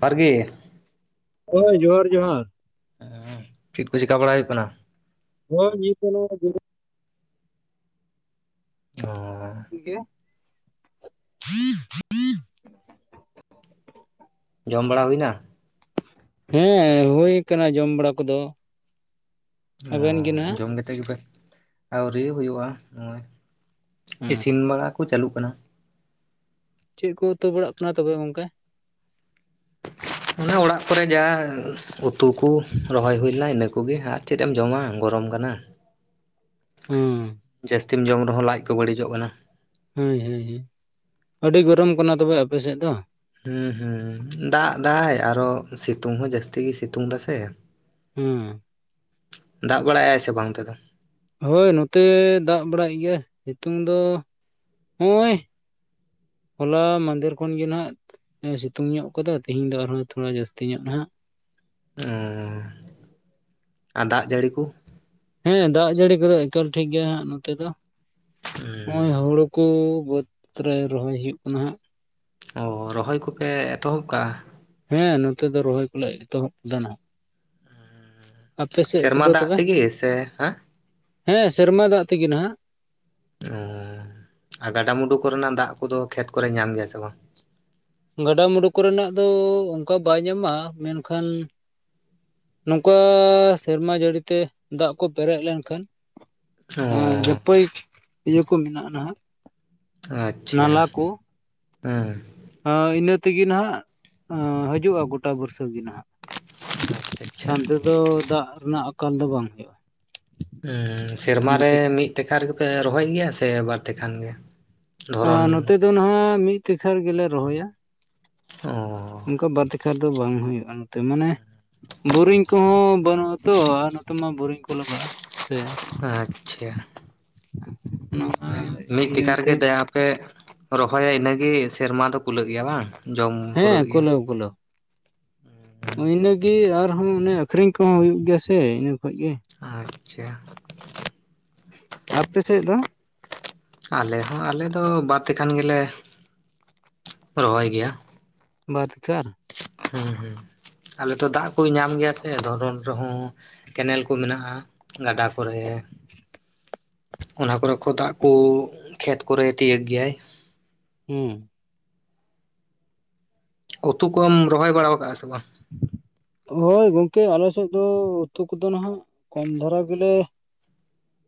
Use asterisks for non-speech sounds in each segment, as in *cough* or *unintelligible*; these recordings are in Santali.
ᱟᱨᱜᱤ ᱦᱚᱭ ᱡᱚᱦᱟᱨ, ᱡᱚᱦᱟᱨ, ᱦᱚᱸ ᱪᱮᱫ ᱠᱚ ᱪᱮᱠᱟ ᱵᱟᱲᱟ ᱦᱩᱭᱩᱜ ᱠᱟᱱᱟ? *unintelligible* ᱚᱸᱻ ᱜᱮ *inaudible* ᱡᱚᱢ ᱵᱟᱲᱟ ᱦᱩᱭᱱᱟ? ᱦᱮᱸ ᱦᱳᱭ ᱠᱟᱱᱟ ᱡᱚᱢ ᱵᱟᱲᱟ ᱠᱚᱫᱚ᱾ ᱚ ᱟᱵᱮᱱ ᱜᱮ ᱱᱟᱦᱟᱜ ᱡᱚᱢ ᱠᱟᱛᱮᱫ ᱜᱮᱯᱮ ᱟᱹᱣᱨᱤ ᱦᱩᱭᱩᱜᱼᱟ ᱱᱚᱜᱼᱚᱭ᱾ ᱦᱮᱸ ᱤᱥᱤᱱ ᱵᱟᱲᱟ ᱠᱚ ᱪᱟᱞᱩᱜ ᱠᱟᱱᱟ᱾ ᱪᱮᱫ ᱠᱚ ᱩᱛᱩ ᱵᱟᱲᱟᱜ ᱠᱟᱱᱟ ᱛᱚᱵᱮ ᱜᱚᱝᱠᱮ? ᱚᱱᱟ ᱚᱲᱟᱜ ᱠᱚᱨᱮ ᱡᱟ ᱩᱛᱩ ᱠᱚ ᱨᱚᱦᱚᱭ ᱦᱩᱭ ᱞᱮᱱᱟ ᱤᱱᱟᱹ ᱠᱚᱜᱮ ᱟᱨ ᱪᱮᱫ ᱮᱢ ᱡᱚᱢᱟ ᱜᱚᱨᱚᱢ ᱠᱟᱱᱟ᱾ ᱦᱩᱸ ᱡᱟᱹᱥᱛᱤᱢ ᱡᱚᱢ ᱨᱮᱦᱚᱸ ᱞᱟᱡ ᱠᱚ ᱵᱟᱹᱲᱤᱡᱼᱚᱜ ᱠᱟᱱᱟ᱾ ᱦᱳᱭ ᱦᱳᱭ ᱟᱹᱰᱤ ᱜᱚᱨᱚᱢ ᱠᱟᱱᱟ ᱛᱚᱵᱮ ᱟᱯᱮ ᱥᱮᱫ ᱫᱚ? ᱦᱩᱸ ᱦᱩᱸ ᱫᱟᱜ ᱫᱟᱭ ᱟᱨᱚ ᱥᱤᱛᱩᱝ ᱦᱚᱸ ᱡᱟᱹᱥᱛᱤ ᱜᱮ ᱥᱤᱛᱩᱝ ᱫᱟ ᱥᱮ, ᱦᱩᱸᱻ ᱫᱟᱜ ᱵᱟᱲᱟᱭᱟᱭ ᱥᱮ ᱵᱟᱝ ᱚᱱᱛᱮ ᱫᱚ? ᱦᱳᱭ ᱱᱚᱛᱮ ᱫᱟᱜ ᱵᱟᱲᱟᱭᱮᱫ ᱜᱮᱭᱟᱭ ᱥᱤᱛᱩᱚᱝ ᱫᱚ ᱦᱳᱭ ᱦᱚᱞᱟ ᱢᱟᱫᱷᱮᱨ ᱠᱷᱚᱱ ᱜᱮ ᱱᱟᱜ ᱥᱤᱛᱩᱝ ᱧᱚᱜ ᱠᱟᱫᱟ ᱛᱤᱦᱮᱧ ᱫᱚ ᱟᱨᱦᱚᱸ ᱛᱷᱚᱲᱟ ᱡᱟᱹᱥᱛᱤ ᱧᱚᱜ ᱱᱟᱦᱟᱜ ᱚ ᱟᱨ ᱫᱟᱜ ᱡᱟᱹᱲᱤ ᱠᱚ ᱦᱮᱸ ᱫᱟᱜ ᱡᱟᱹᱲᱤ ᱠᱚᱫᱚ ᱮᱠᱟᱞ ᱴᱷᱤᱠ ᱜᱮᱭᱟ ᱦᱟᱸᱜ ᱱᱚᱛᱮ ᱫᱚ ᱦᱮᱸ ᱱᱚᱜᱼᱚᱭ ᱦᱩᱲᱩ ᱠᱩ ᱵᱟᱹᱫᱽ ᱨᱮ ᱨᱚᱦᱚᱭ ᱦᱩᱭᱩᱜ ᱠᱟᱱᱟ ᱦᱟᱸᱜ ᱚ ᱨᱚᱦᱚᱭ ᱠᱚᱯᱮ ᱮᱛᱚᱦᱚᱵ ᱠᱟᱜᱼᱟ ᱦᱮᱸ ᱱᱚᱛᱮ ᱫᱚ ᱨᱚᱦᱚᱭ ᱠᱚᱞᱮ ᱮᱛᱚᱦᱚᱵ ᱫᱟ ᱱᱟᱦᱟᱜ ᱟᱯᱮ ᱥᱮᱫ ᱥᱮᱨᱢᱟ ᱠᱚᱫᱚ ᱫᱟᱜ ᱛᱚᱵᱮ ᱛᱤᱜᱤ ᱥᱮ ᱦᱮᱸ? ᱦᱮᱸ ᱥᱮᱨᱢᱟ ᱫᱟᱜ ᱛᱤᱜᱤ ᱱᱟᱦᱟᱜ᱾ ᱚ ᱟᱨ ᱜᱟᱰᱟ ᱢᱩᱰᱩ ᱠᱚᱨᱮ ᱱᱟᱜ ᱫᱟᱜ ᱠᱚᱫᱚ ᱠᱷᱮᱛ ᱠᱚᱨᱮ ᱧᱟᱢ ᱜᱮᱭᱟᱭ ᱥᱮ ᱵᱟᱝ? ᱜᱟᱰᱟᱼᱢᱩᱸᱰᱩ ᱠᱚᱨᱮᱱᱟᱜ ᱫᱚ ᱚᱱᱠᱟ ᱵᱟᱭ ᱧᱟᱢᱟ ᱢᱮᱱᱠᱷᱟᱱ ᱱᱚᱝᱠᱟ ᱥᱮᱨᱢᱟ ᱡᱟᱹᱲᱤᱛᱮ ᱫᱟᱜ ᱠᱚ ᱯᱮᱨᱮᱡ ᱞᱮᱱᱠᱷᱟᱱ ᱚ ᱦᱮᱸ ᱡᱟᱹᱯᱟᱹᱭ ᱤᱭᱟᱹ ᱠᱚ ᱢᱮᱱᱟᱜᱼᱟ ᱱᱟᱦᱜ᱾ ᱟᱪᱪᱷᱟ ᱦᱮᱸ ᱦᱟ ᱤᱱᱟᱹ ᱛᱤᱜᱤ ᱱᱟᱦᱜ ᱦᱤᱡᱩᱜᱼᱟ ᱜᱩᱴᱟ ᱵᱩᱨᱥᱟ ᱜᱤ ᱱᱟᱦᱜ᱾ ᱟᱪᱪᱷᱟ ᱟᱪᱪᱷᱟ ᱟᱱᱛᱮ ᱫᱚ ᱫᱟᱜ ᱨᱮᱱᱟᱜ ᱟᱠᱟᱞ ᱫᱚ ᱵᱟᱝ ᱦᱩᱭᱩᱜᱼᱟ ᱦᱩᱸ ᱤᱱᱟᱹ ᱥᱮᱨᱢᱟᱨᱮ ᱠᱚ ᱢᱤᱫ ᱴᱮᱠᱟᱨ ᱜᱮᱯᱮ ᱨᱚᱦᱚᱭ ᱜᱮᱭᱟ ᱥᱮ ᱵᱟᱨ ᱛᱮᱠᱦᱟᱱ ᱜᱮ? ᱟ ᱫᱷᱚᱨᱚᱱ ᱱᱚᱛᱮ ᱫᱚ ᱱᱟᱦᱟᱜ ᱢᱤᱫ ᱛᱮᱠᱷᱟᱱ ᱜᱮᱞᱮ ᱨᱚᱦᱚᱭᱟ᱾ ᱚ ᱚᱝᱠᱟ ᱵᱟᱨ ᱛᱮᱠᱷᱟ ᱫᱚ ᱵᱟᱝ ᱦᱩᱭᱩᱜᱼᱟ ᱱᱛᱮ ᱢᱟᱱᱮ ᱵᱳᱨᱤᱝ ᱠᱚᱦᱚᱸ ᱵᱟᱹᱱᱩᱜ-ᱟ ᱛᱚ ᱟᱨ ᱱᱚᱛᱮ ᱢᱟ ᱵᱳᱨᱤᱝ ᱠᱚ ᱞᱟᱜᱟᱜᱼᱟ ᱥᱮ ᱟᱪᱪᱷᱟ ᱚᱱᱟ ᱢᱟᱱᱮ ᱢᱤᱫ ᱛᱤᱠᱷᱟᱨ ᱤᱭᱟᱹᱛᱮ ᱨᱮᱜᱮ ᱫᱟᱭᱟ ᱯᱮ ᱨᱚᱦᱚᱭᱟ ᱤᱱᱟᱹᱜᱤ ᱥᱮᱨᱢᱟ ᱫᱚ ᱠᱩᱞᱟᱹᱜ ᱜᱮᱭᱟ ᱵᱟᱝ? ᱡᱚᱢ ᱯᱩᱨᱟᱹᱜ ᱜᱮᱭᱟ᱾ ᱞᱟᱹᱣ ᱤᱱᱟᱹᱜᱤ ᱟᱨᱦᱚᱸ ᱚᱱᱮ ᱟᱠᱷᱨᱤᱧ ᱠᱚᱦᱚᱸ ᱦᱩᱭᱩᱜ ᱜᱮᱭᱟ ᱥᱮ ᱤᱱᱟᱹ ᱠᱷᱚᱡ ᱜᱤ ᱟᱪᱪᱷᱟ᱾ ᱟᱯᱮ ᱥᱮᱜ ᱫᱚ? ᱟᱞᱮ ᱦᱚᱸ ᱟᱞᱮ ᱫᱚ ᱵᱟᱨ ᱛᱮᱠᱦᱟᱱ ᱜᱮᱞᱮ ᱨᱚᱦᱚᱭ ᱜᱮᱭᱟ᱾ ᱵᱟᱫᱽᱠᱟᱨ᱾ ᱦᱩᱸ ᱦᱩᱸ ᱟᱞᱮ ᱛᱚ ᱫᱟᱜ ᱠᱚᱭ ᱧᱟᱢ ᱜᱮᱭᱟ ᱥᱮ ᱫᱷᱚᱨᱚᱱ ᱨᱮᱦᱚᱸ ᱠᱮᱱᱮᱞ ᱠᱩ ᱢᱮᱱᱟᱜᱼᱟ ᱜᱟᱰᱟ ᱠᱚᱨᱮ ᱚᱱᱟ ᱠᱚᱨᱮ ᱠᱚ ᱫᱟᱜ ᱠᱩ ᱠᱷᱮᱛ ᱠᱚᱨᱮ ᱛᱤᱭᱟᱹᱜ ᱜᱮᱭᱟᱭ᱾ ᱦᱩᱸ ᱩᱛᱩ ᱠᱚᱢ ᱨᱚᱦᱚᱭ ᱵᱟᱲᱟ ᱟᱠᱟᱫᱟ ᱥᱮ ᱵᱟᱝ᱾ ᱦᱳᱭ ᱜᱚᱝᱠᱮ ᱟᱞᱮ ᱥᱮᱫ ᱫᱚ ᱩᱛᱩ ᱠᱚᱫᱚ ᱱᱟᱦᱟᱜ᱾ ᱠᱚᱢ ᱫᱷᱟᱨᱟ ᱜᱮᱞᱮ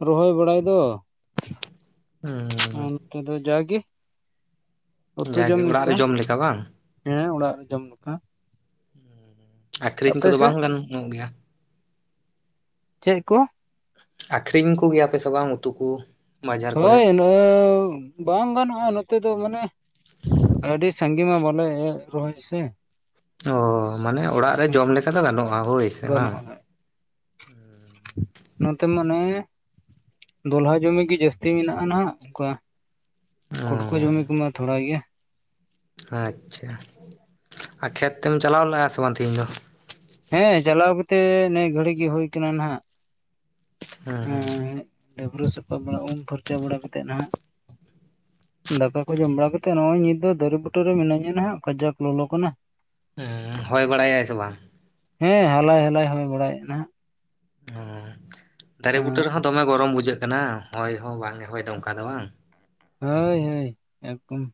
ᱨᱚᱦᱚᱭ ᱵᱟᱲᱟᱭ ᱫᱚ᱾ ᱦᱩᱸ ᱚᱱᱛᱮ ᱫᱚ ᱡᱟᱜᱮ ᱩᱛᱩ ᱡᱟᱜᱮ ᱡᱚᱢ ᱚᱲᱟᱜ ᱞᱮᱠᱟ᱾ ᱨᱮ ᱡᱚᱢ ᱵᱟᱝ ᱦᱮᱸ ᱚᱲᱟᱜ ᱡᱚᱢ ᱞᱮᱠᱟ ᱟᱠᱷᱨᱤᱧ ᱟᱯᱮ ᱠᱚᱫᱚ ᱥᱮᱫ ᱵᱟᱝ ᱜᱟᱱᱚᱜ ᱜᱮᱭᱟ? ᱪᱮᱫ ᱠᱚ ᱟᱠᱷᱨᱤᱧ ᱠᱚᱜᱮᱭᱟᱯᱮ ᱥᱮ ᱵᱟᱝ ᱩᱛᱩ ᱠᱚ ᱵᱟᱡᱟᱨ ᱠᱚᱨᱮ ᱦᱳᱭ ᱵᱟᱝ ᱜᱟᱱᱚᱜ-ᱟ ᱱᱚᱛᱮ ᱫᱚ ᱢᱟᱱᱮ ᱟᱹᱰᱤ ᱟ ᱥᱟᱜᱤ ᱢᱟ ᱵᱚᱞᱮ ᱨᱚᱦᱚᱭ ᱥᱮ ᱚ ᱢᱟᱱᱮ ᱚᱲᱟᱜ ᱨᱮ ᱡᱚᱢ ᱞᱮᱠᱟ ᱫᱚ ᱜᱟᱱᱚᱜ-ᱟ ᱦᱳᱭ ᱥᱮ ᱵᱟᱝ ᱜᱟᱱᱚᱜᱼᱟ ᱱᱚᱛᱮ ᱢᱟᱱᱮ ᱫᱚᱞᱦᱟ ᱡᱚᱢᱤ ᱜᱮ ᱡᱟᱹᱥᱛᱤ ᱞᱟᱹᱛᱤ ᱢᱮᱱᱟᱜ-ᱟ ᱱᱟᱦᱟᱜ ᱚᱱᱠᱟ ᱚ ᱠᱚᱴᱠᱚᱟᱹ ᱡᱚᱢᱤ ᱠᱚᱢᱟ ᱛᱷᱚᱲᱟ ᱜᱮᱭᱟ ᱟᱪᱪᱷᱟ ᱟᱨ ᱠᱷᱮᱛ ᱛᱮᱢ ᱪᱟᱞᱟᱣ ᱞᱮᱱ-ᱟ ᱥᱮ ᱵᱟᱝ? ᱛᱤᱦᱤᱧ ᱫᱚ ᱦᱮᱸ ᱪᱟᱞᱟᱣ ᱠᱟᱛᱮᱜ ᱱᱤᱭᱟᱹ ᱜᱷᱟᱹᱲᱤᱡ ᱜᱮ ᱦᱳ ᱟᱠᱟᱱᱟ ᱱᱟᱜ ᱦᱩᱸ ᱦᱩᱸ ᱰᱟᱹᱵᱨᱟᱹ ᱥᱟᱛᱟᱺᱵᱲᱟ ᱩᱢ ᱯᱷᱟᱨᱪᱟ ᱵᱟᱲᱟ ᱠᱟᱛᱮᱫ ᱱᱟᱦᱟᱜ *inaudible* ᱫᱟᱠᱟ ᱠᱚ ᱡᱚᱢ ᱵᱟᱲᱟ ᱠᱟᱛᱮᱫ ᱱᱚᱜ ᱚᱭ ᱱᱤᱛ ᱫᱚ ᱫᱟᱨᱮ ᱵᱩᱴᱟᱹ ᱨᱮ ᱢᱤᱹᱧᱟ ᱦᱟᱜ ᱠᱟᱡᱟᱠ ᱞᱚᱞᱚ ᱠᱟᱱᱟ ᱦᱚᱭ ᱵᱟᱲᱟᱭᱟᱭ ᱥᱮ ᱵᱟᱝ? ᱦᱮᱸ ᱦᱟᱞᱟᱭ ᱦᱟᱞᱟᱭ ᱦᱩᱭ ᱵᱟᱲᱟᱭᱮᱫ ᱱᱟᱦᱟᱜ ᱚ ᱫᱟᱨᱮ ᱵᱩᱴᱟᱹ ᱨᱮᱦᱚᱸ ᱫᱚᱢᱮ ᱜᱚᱨᱚᱢ ᱵᱩᱡᱷᱟᱹᱜ ᱠᱟᱱᱟ ᱦᱚᱭ ᱦᱚᱸ ᱵᱟᱝ ᱮ ᱦᱚᱭ ᱫᱚ ᱚᱱᱠᱟ ᱫᱚ ᱵᱟᱝ ᱦᱳᱭ ᱦᱳᱭ ᱮᱠᱫᱚᱢ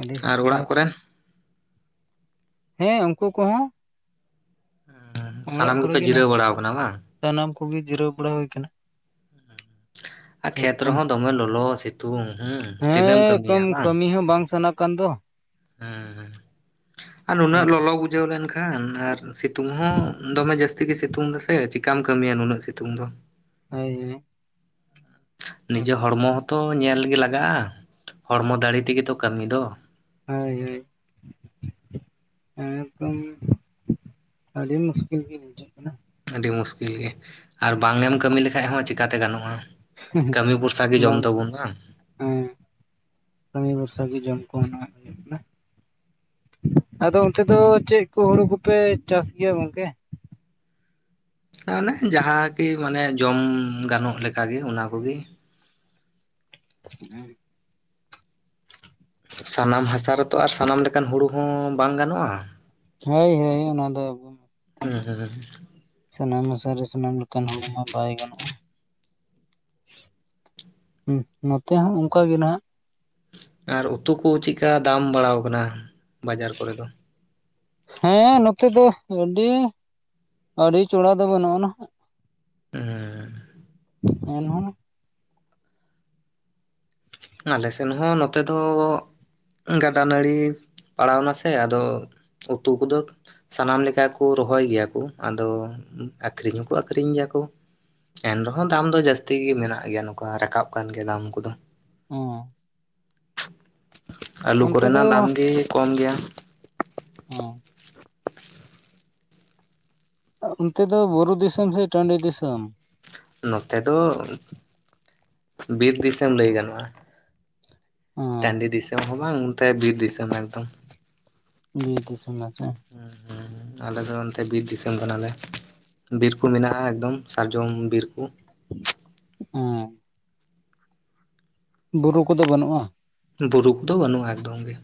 ᱟᱹᱰᱤ ᱟᱨ ᱥᱚᱠᱛᱚ ᱚᱲᱟᱜ ᱠᱚᱨᱮ ᱦᱮᱸ ᱩᱱᱠᱩ ᱠᱚᱦᱚᱸ ᱚᱲᱟᱜ ᱥᱟᱱᱟᱢ ᱠᱚᱨᱮ ᱜᱮᱯᱮ ᱜᱮ ᱡᱤᱨᱟᱹᱣ ᱱᱟᱦᱟᱜ ᱵᱟᱲᱟᱣ ᱠᱟᱱᱟ ᱵᱟᱝ ᱥᱟᱱᱟᱢ ᱠᱚᱜᱮ ᱡᱤᱨᱟᱹᱣ ᱵᱟᱲᱟ ᱦᱩᱭ ᱠᱟᱱᱟ ᱟᱨ ᱠᱷᱮᱛ ᱮᱠᱫᱚᱢ ᱨᱮᱦᱚᱸ ᱫᱚᱢᱮ ᱞᱚᱞᱚ ᱥᱤᱛᱩᱝ ᱦᱩᱸ ᱛᱤᱱᱟᱹᱜ ᱮᱢ ᱠᱟᱹᱢᱤᱭᱟ ᱵᱟᱝ ᱤᱧ ᱦᱚᱸ ᱵᱟᱝ ᱥᱟᱱᱟᱜ ᱠᱟᱱ ᱫᱚ ᱦᱩᱸ ᱦ ᱟᱨ ᱱᱩᱱᱟᱹᱜ ᱠᱟᱹᱢᱤ ᱞᱚᱞᱚ ᱵᱩᱡᱟᱹᱣ ᱞᱮᱱᱠᱷᱟᱱ ᱟᱨ ᱥᱤᱛᱩᱝ ᱦᱚᱸ ᱫᱚᱢᱮ ᱡᱟᱹᱥᱛᱤ ᱜᱮ ᱥᱤᱛᱩᱝ ᱫᱟᱢᱮ ᱪᱤᱠᱟᱢ ᱠᱟᱹᱢᱤᱭᱟ ᱱᱩᱱᱟᱹᱜ ᱥᱤᱛᱩᱝ ᱫᱚ ᱦᱭ ᱡᱮ ᱱᱤᱡᱮ ᱦᱚᱲᱢᱚ ᱦᱚᱸᱛᱚ ᱧᱮᱞᱜᱮ ᱞᱟᱜᱟᱜ-ᱟ ᱦᱚᱲᱢᱚ ᱫᱟᱲᱮ ᱛᱮᱜᱮ ᱛᱚ ᱠᱟᱹᱢᱤ ᱫᱚ ᱦᱳᱭ ᱦᱳᱭ ᱮᱸᱠᱫᱚᱢ ᱟᱹᱰᱤ ᱢᱩᱥᱠᱤᱞ ᱜᱮ ᱵᱩᱡᱷᱟᱣ ᱠᱟᱱ ᱟᱹᱰᱤ ᱢᱩᱥᱠᱤᱞ ᱜᱮ ᱟᱨ ᱵᱟᱝ ᱮᱢ ᱠᱟᱹᱢᱤ ᱞᱮᱠᱟᱱᱡ ᱦᱚᱸ ᱪᱤᱠᱟᱛᱮ ᱜᱟᱱᱚᱜ-ᱟ ᱵᱟᱝ ᱦᱮᱸ ᱠᱟᱹᱢᱤ ᱵᱷᱚᱨᱥᱟ ᱜᱮ ᱡᱚᱢ ᱠᱚᱦᱚᱸ ᱦᱩᱭᱩᱜ ᱠᱟᱱᱟ ᱟᱫᱚ ᱚᱱᱛᱮ ᱫᱚ ᱪᱮᱫ ᱠᱚ ᱦᱩᱲᱩ ᱠᱚᱯᱮ ᱪᱟᱥ ᱜᱮᱭᱟ ᱜᱚᱝᱠᱮ? ᱢᱟᱱᱮ ᱡᱟᱦᱟᱸ ᱠᱤ ᱢᱟᱱᱮ ᱡᱚᱢ ᱜᱟᱱᱚᱜᱞᱮᱠᱟᱜᱮ ᱚᱱᱟ ᱠᱚᱜᱮ ᱦᱮᱸ *unintelligible* ᱥᱟᱱᱟᱢ ᱦᱟᱥᱟ ᱨᱮᱛᱚ ᱟᱨ ᱥᱟᱱᱟᱢ ᱞᱮᱠᱟᱱ ᱦᱩᱲᱩ ᱦᱚᱸ ᱵᱟᱝ ᱜᱟᱱᱚᱜ-ᱟ ᱦᱳᱭ ᱦᱳᱭ ᱚᱱᱟ ᱫᱚ ᱦᱩᱸ ᱦᱩᱸ ᱥᱟᱱᱟᱢ ᱦᱟᱥᱟᱨᱮ ᱥᱟᱱᱟᱢ ᱞᱮᱠᱟᱱ ᱦᱩᱲᱩ ᱢᱟ ᱵᱟᱭ ᱜᱟᱱᱚᱜ- ᱟ ᱦᱩᱸ ᱱᱚᱛᱮ ᱦᱚᱸ ᱚᱱᱠᱟᱜ ᱜᱮ ᱱᱟᱦᱟᱜ ᱟᱨ ᱩᱛᱩ ᱠᱚ ᱪᱮᱫᱠᱟ ᱫᱟᱢ ᱵᱟᱲᱦᱟᱣ ᱠᱟᱱᱟ ᱵᱟᱡᱟᱨ ᱠᱚᱨᱮ ᱫᱚ ᱦᱮᱸ ᱱᱚᱛᱮ ᱫᱚ ᱟᱹᱰᱤ ᱟᱹᱰᱤ ᱪᱚᱲᱟ ᱫᱚ ᱵᱟᱹᱱᱩᱜ ᱟ ᱱᱟᱦᱟᱜ ᱦᱩᱸ ᱮᱱᱦᱚᱸ ᱮᱱᱦᱚᱸ ᱱᱚᱛᱮ ᱫᱚ ᱜᱟᱰᱟ ᱱᱟᱹᱲᱤ ᱯᱟᱲᱟᱣ ᱮᱱᱟ ᱥᱮ ᱟᱫᱚ ᱩᱛᱩ ᱠᱚᱫᱚ ᱥᱟᱱᱟᱢ ᱞᱮᱠᱟ ᱠᱚ ᱨᱚᱦᱚᱭ ᱜᱮᱭᱟ ᱠᱚ ᱟᱫᱚ ᱟᱠᱷᱨᱤᱧ ᱦᱚᱸᱠᱚ ᱟᱠᱷᱨᱤᱧ ᱜᱮᱭᱟ ᱠᱚ᱾ ᱮᱱ ᱨᱮᱦᱚᱸ ᱫᱟᱢ ᱫᱚ ᱡᱟᱹᱥᱛᱤ ᱜᱮ ᱢᱮᱱᱟᱜ ᱜᱮᱭᱟ, ᱱᱚᱝᱠᱟ ᱨᱟᱠᱟᱵ ᱠᱟᱱ ᱜᱮᱭᱟ ᱫᱟᱢ ᱠᱚᱫᱚ᱾ ᱚᱻ᱾ ᱟᱹᱞᱩ ᱚᱱᱛᱮ ᱫᱚ ᱠᱚᱨᱮᱱᱟᱜ ᱫᱟᱢ ᱜᱮ ᱠᱚᱢ ᱜᱮᱭᱟ᱾ ᱦᱸᱻ᱾ ᱚᱱᱛᱮ ᱫᱚ ᱵᱩᱨᱩ ᱫᱤᱥᱚᱢ ᱥᱮ ᱴᱟᱹᱰᱤ ᱫᱤᱥᱚᱢ? ᱱᱚᱛᱮ ᱫᱚ ᱵᱤᱨ ᱫᱤᱥᱚᱢ ᱞᱟᱹᱭ ᱜᱟᱱᱚᱜᱼᱟ᱾ ᱴᱟᱹᱰᱤ ᱦᱮᱸ ᱫᱤᱥᱚᱢ ᱦᱚᱸ ᱵᱟᱝ ᱚᱱᱛᱮ ᱵᱤᱨ ᱫᱤᱥᱚᱢ ᱮᱠᱫᱚᱢ᱾ ᱵᱤᱨ ᱫᱤᱥᱚᱢ ᱱᱟᱥᱮ ᱦᱮᱸ ᱟᱞᱮ ᱫᱚ ᱚᱱᱛᱮ ᱵᱤᱨ ᱫᱤᱥᱚᱢ ᱠᱟᱱᱟᱞᱮ᱾ ᱵᱤᱨ ᱠᱚ ᱢᱮᱱᱟᱜᱼᱟ ᱮᱠᱫᱚᱢ ᱥᱟᱨᱡᱚᱢ ᱵᱤᱨ ᱠᱚ᱾ ᱦᱸᱻ᱾ ᱵᱩᱨᱩ ᱠᱚᱫᱚ ᱵᱟᱹᱱᱩᱜᱼᱟ? ᱵᱩᱨᱩ ᱠᱚᱫᱚ ᱵᱟᱹᱱᱩᱜᱼᱟ ᱮᱠᱫᱚᱢ ᱜᱮ᱾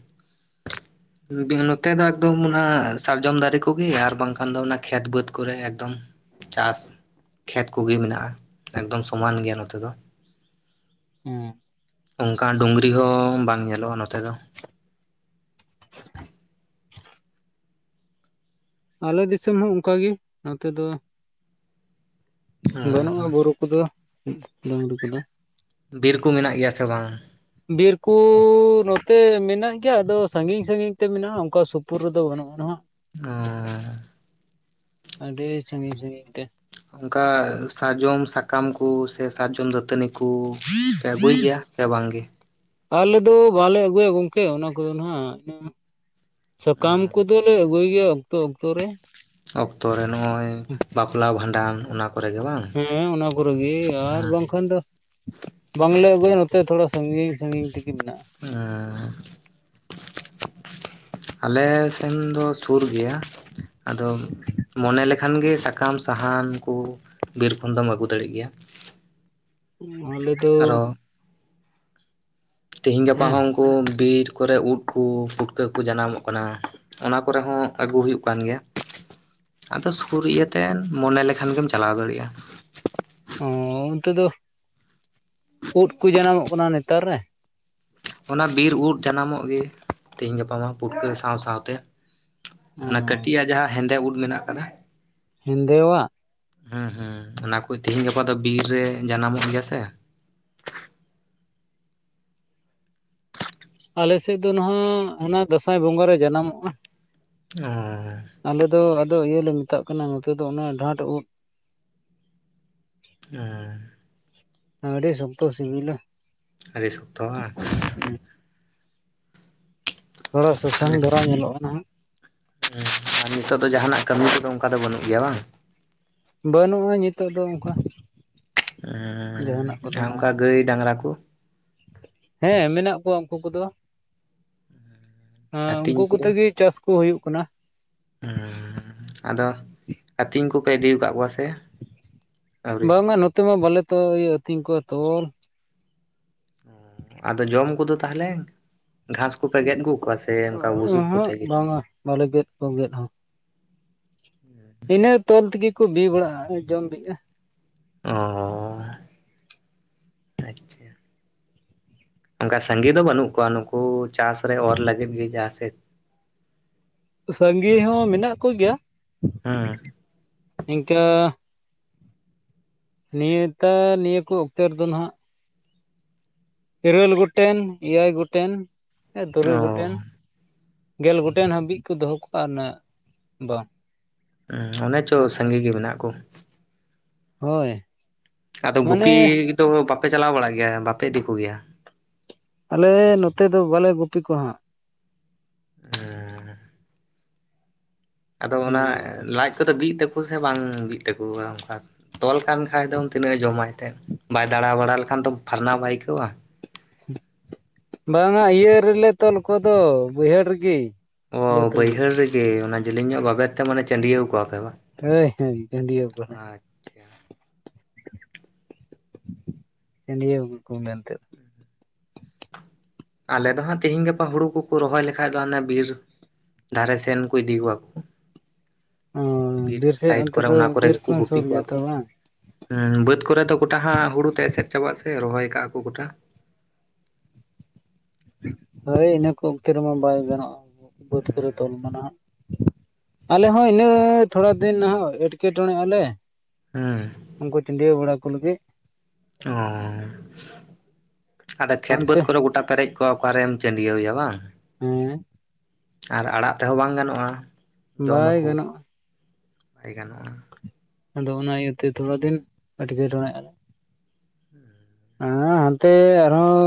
ᱱᱚᱛᱮ ᱫᱚ ᱮᱠᱫᱚᱢ ᱚᱱᱟ ᱥᱟᱨᱡᱚᱢ ᱫᱟᱨᱮ ᱠᱚᱜᱮ, ᱟᱨ ᱵᱟᱝᱠᱷᱟᱱ ᱫᱚ ᱚᱱᱟ ᱠᱷᱮᱛ ᱵᱟᱹᱫᱽ ᱠᱚᱨᱮ ᱮᱠᱫᱚᱢ᱾ ᱪᱟᱥ ᱠᱷᱮᱛ ᱠᱚᱜᱮ ᱢᱮᱱᱟᱜᱼᱟ, ᱮᱠᱫᱚᱢ ᱥᱚᱢᱟᱱ ᱜᱮᱭᱟ ᱱᱚᱛᱮ ᱫᱚ᱾ ᱦᱮᱸᱻ᱾ ᱚᱱᱠᱟᱱ ᱰᱩᱝᱨᱤ ᱦᱚᱸ ᱵᱟᱝ ᱧᱮᱞᱚᱜᱼᱟ ᱱᱚᱛᱮ ᱫᱚ᱾ ᱟ *unintelligible* *inaudible* ᱟᱞᱮ ᱫᱤᱥᱚᱢ ᱦᱚᱸ ᱚᱱᱠᱟᱜᱤ ᱱᱚᱛᱮ ᱫᱚ ᱵᱟᱹᱱᱩᱜᱼᱟ, ᱵᱩᱨᱩ ᱠᱚᱫᱚ ᱰᱩᱝᱨᱤ ᱠᱚᱫᱚ᱾ ᱵᱤᱨ ᱠᱚ ᱢᱮᱱᱟᱜ ᱜᱮᱭᱟ ᱥᱮ ᱵᱟᱝ? ᱵᱤᱨᱠᱩ ᱱᱚᱛᱮ ᱢᱮᱱᱟᱜ ᱜᱮᱭᱟ ᱟᱫᱚ ᱥᱟᱹᱜᱤᱧ ᱥᱟᱹᱜᱤᱧ ᱛᱮ ᱢᱮᱱᱟᱜᱼᱟ᱾ ᱚᱱᱠᱟ ᱥᱩᱯᱩᱨ ᱨᱮᱫᱚ ᱵᱟᱹᱱᱩᱜᱼᱟ ᱱᱟᱦᱟᱜ᱾ ᱟᱹᱻ᱾ ᱟᱰᱤ ᱥᱟᱹᱜᱤᱧ ᱥᱟᱹᱜᱤᱧ ᱛᱮ᱾ ᱚᱱᱠᱟ ᱥᱟᱨᱡᱚᱢ ᱥᱟᱠᱟᱢ ᱠᱩ ᱥᱮ ᱥᱟᱨᱡᱚᱢ ᱫᱟᱹᱛᱟᱹᱱᱤ ᱠᱚ ᱠᱩ ᱯᱮ ᱟᱹᱜᱩᱭ ᱜᱮᱭᱟ ᱥᱮ ᱵᱟᱝ ᱜᱮ? ᱟᱞᱮ ᱫᱚ ᱵᱟᱞᱮ ᱟᱹᱜᱩᱭᱟ ᱜᱚᱝᱠᱮ ᱚᱱᱟ ᱠᱚᱫᱚ ᱱᱟᱦᱟᱸᱜ᱾ ᱥᱟᱠᱟᱢ ᱠᱚᱫᱚᱞᱮ ᱟᱹᱜᱩᱭ ᱜᱮᱭᱟ ᱚᱠᱛᱚ ᱚᱠᱛᱚ ᱨᱮ᱾ ᱚᱠᱛᱚᱮ ᱱᱚᱜᱼᱚᱭ ᱵᱟᱯᱞᱟ ᱵᱷᱟᱸᱰᱟᱱ ᱚᱱᱟ ᱠᱚᱨᱮ ᱜᱮ ᱵᱟᱝ? ᱦᱮᱸ ᱚᱱᱟ ᱠᱚᱨᱮ ᱜᱮ ᱟᱨ ᱵᱟᱝᱠᱷᱟᱱ ᱫᱚ ᱵᱟᱝᱞᱮ ᱟᱹᱜᱩᱭᱟ ᱱᱚᱛᱮ ᱛᱷᱚᱲᱟ ᱥᱟᱹᱜᱤᱧ ᱥᱟᱹᱜᱤᱧ ᱛᱮᱜᱤ ᱢᱮᱱᱟᱜᱼᱟ᱾ ᱟᱸᱻ᱾ ᱟᱞᱮ ᱥᱮᱱ ᱫᱚ ᱥᱩᱨ ᱜᱮᱭᱟ ᱟᱫᱚ ᱢᱚᱱᱮ ᱞᱮᱠᱷᱟᱱ ᱜᱮ ᱥᱟᱠᱟᱢ ᱥᱟᱦᱟᱱ ᱠᱚ ᱵᱤᱨ ᱠᱷᱚᱱ ᱫᱚᱢ ᱟᱹᱜᱩ ᱫᱟᱲᱮᱜ ᱜᱮᱭᱟ᱾ ᱦᱚ ᱞᱟᱹᱭ ᱢᱮ? ᱟᱨᱚ ᱛᱮᱦᱮᱧ ᱜᱟᱯᱟ ᱦᱚᱸ ᱦᱮᱸ ᱩᱱᱠᱩ ᱵᱤᱨ ᱠᱚᱨᱮ ᱩᱫᱽ ᱩᱫᱽ ᱠᱚ ᱯᱩᱴᱠᱟᱹ ᱠᱚ ᱡᱟᱱᱟᱢᱚᱜ ᱠᱟᱱᱟ ᱚᱱᱟ ᱠᱚᱨᱮ ᱦᱚᱸ ᱟᱹᱜᱩ ᱦᱩᱭᱩᱜ ᱠᱟᱱ ᱜᱮᱭᱟ᱾ ᱟᱫᱚ ᱥᱩᱨ ᱤᱭᱟᱹᱛᱮ ᱢᱚᱱᱮ ᱞᱮᱠᱷᱟᱱ ᱜᱮᱢ ᱪᱟᱞᱟᱣ ᱫᱟᱲᱮᱭᱟᱜᱼᱟ᱾ ᱚ ᱚᱱᱛᱮ ᱫᱚ ᱩᱫᱽ ᱠᱚ ᱡᱟᱱᱟᱢᱚᱜ ᱠᱟᱱᱟ ᱱᱮᱛᱟᱨ ᱨᱮ? ᱚᱱᱟ ᱵᱤᱨ ᱩᱫ ᱡᱟᱱᱟᱢᱚᱜ ᱜᱮ ᱛᱮᱦᱤᱧ ᱜᱟᱯᱟ ᱯᱩᱴᱠᱟᱹ ᱥᱟᱶ ᱥᱟᱶᱛᱮ ᱚᱱᱟ ᱦᱮᱸ ᱠᱟᱹᱴᱤᱡᱟᱜ ᱡᱟᱦᱟᱸ ᱦᱮᱸᱫᱮ ᱩᱫ ᱢᱮᱱᱟᱜ ᱟᱠᱟᱫᱟ ᱦᱮᱸᱫᱮᱣᱟᱜ ᱦᱮᱸ ᱦᱩᱸ ᱚᱱᱟ ᱠᱚ ᱛᱮᱤᱦᱤᱧ ᱜᱟᱯᱟ ᱫᱚ ᱵᱤᱨ ᱨᱮ ᱡᱟᱱᱟᱢᱚᱜ ᱜᱮᱭᱟ ᱥᱮ? ᱟᱞᱮ ᱥᱮᱫ ᱫᱚ ᱱᱟᱦᱟᱸᱜ ᱚᱱᱟ ᱫᱟᱸᱥᱟᱭ ᱵᱚᱸᱜᱟ ᱨᱮ ᱡᱟᱱᱟᱢᱚᱜᱼᱟ᱾ ᱚᱸᱻ᱾ ᱟᱞᱮ ᱫᱚ ᱟᱫᱚ ᱤᱭᱟᱹ ᱞᱮ ᱢᱮᱛᱟᱜ ᱠᱟᱱᱟ ᱱᱚᱛᱮ ᱫᱚ ᱚᱱᱟ ᱰᱷᱟᱴ ᱩᱫᱽ᱾ ᱚ ᱟᱹᱰᱤ ᱥᱚᱠᱛᱚ ᱥᱤᱵᱤᱞᱟ᱾ ᱟᱹᱰᱤ ᱥᱚᱠᱛᱚ ᱵᱟ ᱛᱷᱚᱲᱟ ᱥᱟᱥᱟᱝ ᱫᱷᱟᱨᱟ ᱧᱮᱞᱚᱜ-ᱟ ᱱᱟᱦᱟᱜ ᱦᱮᱸ ᱟᱨ ᱱᱤᱛᱚᱜ ᱫᱚ ᱡᱟᱦᱟᱱᱟᱜ ᱠᱟᱹᱢᱤ ᱠᱚᱫᱚ ᱚᱱᱠᱟ ᱫᱚ ᱵᱟᱹᱱᱩᱜ ᱜᱮᱭᱟ ᱵᱟᱝ ᱵᱟᱹᱱᱩᱜ-ᱟ ᱱᱤᱛᱳᱜ ᱫᱚ ᱚᱱᱠᱟ ᱮᱻ ᱡᱟᱦᱟᱱᱟᱜ ᱠᱚᱫᱚ ᱟᱨ ᱱᱟᱦᱟᱜ ᱚᱱᱠᱟ ᱜᱟᱹᱭ ᱰᱟᱝᱨᱟ ᱠᱚ ᱦᱮᱸ ᱢᱮᱱᱟᱜ ᱠᱚᱣᱟ ᱩᱱᱠᱩ ᱠᱚᱫᱚ ᱦᱮᱸ ᱩᱱᱠᱩ ᱟᱹᱛᱤᱧ ᱠᱚᱛᱮᱜᱤ ᱪᱟᱥᱠᱩ ᱦᱩᱭᱩᱜ ᱠᱟᱱᱟ ᱦᱩᱻᱸ ᱟᱫᱚ ᱟᱹᱛᱤᱧ ᱠᱚᱯᱮ ᱤᱫᱤᱠᱟᱫ ᱠᱚᱣᱟ ᱥᱮ ᱟᱹᱣᱨᱤ ᱵᱟᱝᱢᱟ ᱱᱚᱛᱮ ᱢᱟ ᱵᱟᱞᱮ ᱛᱚ ᱤᱭᱟᱹ ᱟᱹᱛᱤᱧ ᱠᱚᱣᱟ ᱛᱚᱞ ᱟᱫᱚ ᱡᱚᱢ ᱠᱚᱫᱚ ᱛᱟᱦᱚᱞᱮ ᱜᱷᱟᱥ ᱠᱚᱯᱮ ᱜᱮᱫ ᱟᱹᱜᱩ ᱠᱚᱣᱟ ᱥᱮ ᱚᱱᱠᱟ ᱵᱩᱥᱩᱵ ᱠᱚᱛᱮ ᱚᱦᱚᱸᱜ ᱜᱮ ᱵᱟᱝᱟ ᱵᱟᱞᱮ ᱜᱮᱫ ᱠᱚ ᱜᱮᱫ ᱦᱚᱸ ᱤᱱᱟᱹ ᱛᱚᱞ ᱛᱮᱜᱮ ᱠᱚ ᱵᱤ ᱵᱟᱲᱟᱜ-ᱟ ᱡᱚᱢ ᱵᱤᱜ-ᱟ ᱚᱻ ᱟᱪᱪᱷᱟ ᱚᱱᱠᱟ ᱥᱟᱸᱜᱮ ᱫᱚ ᱵᱟᱹᱱᱩᱜ ᱠᱚᱣᱟ ᱱᱩᱠᱩ ᱪᱟᱥ ᱨᱮ ᱚᱨ ᱞᱟᱹᱜᱤᱫ ᱜᱮ ᱡᱟᱦᱟᱸ ᱥᱮᱫ ᱥᱟᱸᱜᱮ ᱦᱚᱸ ᱢᱮᱱᱟᱜ ᱠᱚᱜᱮᱭᱟ ᱦᱩᱸ ᱤᱱᱠᱟᱹ ᱱᱤᱭᱟᱹ ᱛᱟᱨ ᱱᱤᱭᱟᱹ ᱠᱚ ᱚᱠᱛᱮ ᱨᱮᱫᱚ ᱱᱟᱦᱟᱜ ᱤᱨᱟᱹᱞ ᱜᱚᱴᱮᱱ ᱮᱭᱟᱭ ᱜᱚᱴᱮᱱ ᱛᱩᱨᱩᱭ ᱚ ᱜᱚᱴᱮᱱ ᱜᱮᱞ ᱜᱚᱴᱮᱱ ᱦᱟᱹᱵᱤᱡ ᱠᱚ ᱫᱚᱦᱚ ᱠᱚᱣᱟ ᱟᱨ ᱩᱱᱟᱹᱜ ᱵᱟᱝ ᱩ ᱚᱱᱮ ᱪᱚ ᱱᱚᱛᱮ ᱥᱟᱸᱜᱮ ᱜᱮ ᱢᱮᱱᱟᱜ ᱠᱚ ᱦᱳᱭ ᱟᱫᱚ ᱜᱩᱯᱤ ᱢᱟᱱᱮ ᱫᱚ ᱵᱟᱯᱮ ᱪᱟᱞᱟᱣ ᱵᱟᱲᱟᱜ ᱜᱮᱭᱟ ᱵᱟᱯᱮ ᱤᱫᱤ ᱠᱚᱜᱮᱭᱟ ᱟᱞᱮ ᱱᱚᱛᱮ ᱫᱚ ᱵᱟᱞᱮ ᱜᱩᱯᱤ ᱠᱚᱣᱟ ᱦᱟᱸᱜ *unintelligible* ᱟᱫᱚ ᱚᱱᱟ ᱵᱟᱞᱮ ᱜᱩᱯᱤ ᱠᱚᱣᱟ ᱞᱟᱡ ᱠᱚᱫᱚ ᱵᱤᱜ ᱛᱟᱠᱚᱣᱟ ᱥᱮ ᱵᱟᱝ ᱵᱤᱜ ᱛᱟᱠᱚᱣᱟ ᱚᱱᱠᱟ ᱛᱚᱞ ᱠᱟᱱ ᱠᱷᱟᱡ ᱫᱚᱢ ᱛᱤᱱᱟᱹᱜ ᱮ ᱡᱚᱢᱟᱭ ᱛᱮ ᱵᱟᱭ ᱫᱟᱬᱟ ᱵᱟᱲᱟ ᱞᱮᱠᱷᱟᱱ ᱫᱚ ᱯᱷᱟᱨᱱᱟ ᱵᱟᱭ ᱟᱹᱭᱠᱟᱹᱣᱟ ᱵᱟᱝᱟ ᱤᱭᱟᱹ ᱨᱮᱞᱮ ᱛᱚᱞ ᱠᱚᱫᱚ ᱵᱟᱹᱭᱦᱟᱹᱲ ᱨᱮᱜᱮ ᱚ ᱵᱟᱹᱭᱦᱟᱹᱲ ᱨᱮᱜᱮ ᱚᱱᱟ ᱡᱮᱞᱮᱧᱚᱜ ᱵᱟᱵᱮᱨ ᱛᱮ ᱢᱟᱱᱮ ᱪᱟᱹᱰᱤᱭᱟᱹᱣ ᱠᱚᱣᱟᱯᱮ ᱵᱟᱝ ᱦᱳᱭ ᱦᱳᱭ ᱟᱪᱪᱷᱟ ᱱᱤᱭᱟᱹᱜ ᱠᱚ ᱢᱮᱱᱛᱮ ᱟᱞᱮ ᱫᱚ ᱦᱟᱸᱜ ᱛᱤᱦᱤᱧ ᱜᱟᱯᱟ ᱦᱩᱲᱩ ᱠᱚᱠᱚ ᱨᱚᱦᱚᱭ ᱞᱮᱠᱷᱟᱡ ᱫᱚ ᱦᱟᱱᱮ ᱵᱤᱨ ᱫᱷᱟᱨᱮ ᱥᱮᱱ ᱠᱚ ᱤᱫᱤ ᱠᱚᱣᱟ ᱠᱚ ᱚ ᱵᱤᱨ ᱥᱮᱫ ᱥᱟᱭᱤᱰ ᱚᱱᱛᱮ ᱠᱚᱨᱮ ᱫᱚ ᱚᱱᱟ ᱠᱚᱨᱮ ᱵᱤᱨ ᱜᱮᱠᱚ ᱠᱚ ᱜᱩᱯᱤ ᱥᱩᱨ ᱠᱚᱣᱟ ᱜᱮᱭᱟ ᱛᱚ ᱠᱚ ᱵᱟᱝ ᱦᱩᱸ ᱵᱟᱹᱫ ᱠᱚᱨᱮ ᱫᱚ ᱜᱚᱴᱟ ᱦᱟᱸ ᱦᱩᱲᱩ ᱛᱮ ᱮᱥᱮᱫ ᱪᱟᱵᱟᱜ ᱥᱮ ᱨᱚᱦᱚᱭ ᱟᱠᱟᱜ-ᱟ ᱠᱚ ᱜᱚᱴᱟ ᱦᱳᱭ ᱤᱱᱟᱹ ᱠᱚ ᱚᱠᱛᱮ ᱨᱮᱢᱟ ᱵᱟᱭ ᱜᱟᱱᱚᱜ-ᱟ ᱵᱟᱹᱫᱽ ᱠᱚᱨᱮ ᱛᱚᱞᱢᱟ ᱱᱟᱦᱟᱜ ᱟᱞᱮ ᱦᱚᱸ ᱤᱱᱟᱹ ᱛᱷᱚᱲᱟ ᱫᱤᱱ ᱱᱟᱦᱟᱜ ᱮᱴᱠᱮ ᱴᱚᱬᱮᱜ ᱟᱞᱮ ᱦᱩᱸ ᱩᱱᱠᱩ ᱪᱟᱹᱰᱤᱭᱟᱹᱣ ᱵᱟᱲᱟ ᱠᱚ ᱞᱟᱹᱜᱤᱛ ᱚᱻ ᱟᱫᱚ ᱠᱷᱮᱛ ᱵᱟᱹᱫᱽ ᱦᱟᱱᱛᱮ ᱠᱚᱨᱮ ᱜᱚᱴᱟ ᱯᱮᱨᱮᱡ ᱠᱚ ᱚᱠᱟᱨᱮᱢ ᱪᱟᱹᱰᱭᱟᱹᱣᱭᱟ ᱵᱟᱝ ᱦᱮᱸ ᱟᱨ ᱟᱲᱟᱜ ᱛᱮᱦᱚᱸ ᱵᱟᱝ ᱜᱟᱱᱚᱜ-ᱟ ᱵᱟᱭ ᱜᱟᱱᱚᱜᱼᱟ ᱵᱟᱭ ᱜᱟᱱᱚᱜᱼᱟ ᱟᱫᱚ ᱚᱱᱟ ᱤᱭᱟᱹᱛᱮ ᱛᱷᱚᱲᱟ ᱫᱤᱱ ᱟᱴᱠᱮᱴᱚᱲᱮᱼᱟ ᱟᱻᱣ ᱦᱟᱱᱛᱮ ᱟᱨᱦᱚᱸ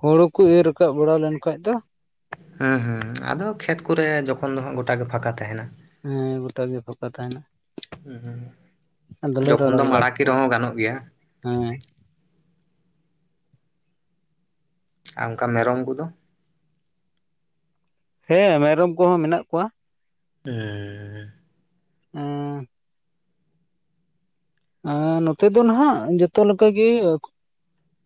ᱦᱩᱲᱩ ᱠᱚ ᱤᱨ ᱨᱟᱠᱟᱵ ᱵᱟᱲᱟ ᱞᱮᱱ ᱠᱷᱟᱱ ᱫᱚ ᱦᱮᱸ ᱦᱮᱸ ᱟᱫᱚ ᱠᱷᱮᱛ ᱠᱚᱨᱮ ᱡᱚᱠᱷᱚᱱ ᱫᱚ ᱦᱟᱸᱜ ᱜᱚᱴᱟ ᱜᱮ ᱯᱷᱟᱸᱠᱟ ᱛᱟᱦᱮᱱᱟ ᱦᱮᱸ ᱜᱚᱴᱟ ᱜᱮ ᱯᱷᱟᱠᱟ ᱛᱟᱦᱮᱱᱟ ᱟᱫᱚᱞᱮ ᱡᱚᱠᱷᱚᱱ ᱨᱟᱲᱟ ᱫᱚᱢ ᱵᱟᱲᱟ ᱟᱲᱟᱜᱮ ᱠᱚᱣᱟ ᱨᱮᱦᱚᱸ ᱜᱟᱱᱚᱜ ᱜᱮᱭᱟ ᱦᱮᱸ ᱟ ᱚᱱᱠᱟ ᱢᱮᱨᱚᱢ ᱠᱚᱫᱚ ᱦᱮᱸ ᱢᱮᱨᱚᱢ ᱠᱚᱦᱚᱸ ᱢᱮᱱᱟᱜ ᱠᱚᱣᱟ *unintelligible* ᱚᱸᱻ ᱱᱚᱛᱮ ᱫᱚ ᱱᱟᱦᱟᱜ ᱡᱚᱛᱚ ᱞᱮᱠᱟ ᱜᱮ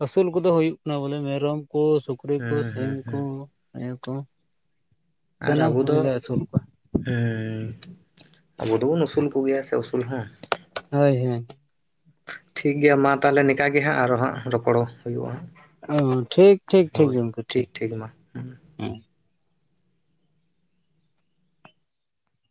ᱟᱹᱥᱩᱞ ᱠᱚᱫᱚ ᱦᱩᱭᱩᱜ ᱠᱟᱱᱟ ᱵᱚᱞᱮ ᱢᱮᱨᱚᱢ ᱠᱚ ᱥᱩᱠᱨᱤ ᱠᱚ ᱦᱩᱸ ᱥᱤᱢ ᱦᱩᱸ ᱠᱚ ᱦᱩᱸ ᱱᱤᱭᱟᱹ ᱠᱚ ᱟᱨ ᱥᱟᱱᱟᱢ ᱟᱵᱚ ᱫᱚ ᱠᱚᱜᱮᱞᱮ ᱟᱹᱥᱩᱞ ᱠᱚᱣᱟ ᱦᱩ ᱟᱵᱚ ᱫᱚᱵᱚᱱ ᱟᱹᱥᱩᱞ ᱠᱚᱜᱮᱭᱟ ᱥᱮ ᱟᱹᱩᱥᱩᱞ ᱦᱚᱸ ᱦᱳᱭ ᱦᱳᱭ ᱴᱷᱤᱠ ᱜᱮᱭᱟ ᱢᱟ ᱛᱟᱦᱚᱞᱮ ᱱᱤᱝᱠᱟ ᱜᱮ ᱦᱟᱸᱜ ᱟᱨᱦᱚ ᱦᱟᱸᱜ ᱨᱚᱯᱚᱲ ᱦᱩᱭᱩᱜᱼᱟ ᱾ ᱚ ᱴᱷᱤᱠ ᱴᱷᱤᱠ ᱴᱷᱤᱠ ᱜᱚᱢᱠᱮ ᱴᱷᱤᱠ ᱢᱟ ᱦᱩᱸ ᱦᱮᱸ